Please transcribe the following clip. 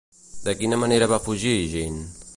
De quina manera va fugir Jeanne?